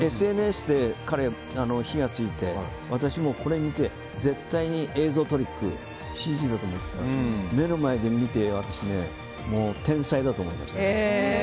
ＳＮＳで彼、火が付いて私もこれを見て絶対に映像トリックだＣＧだと思っていたら目の前で見て天才だと思いました。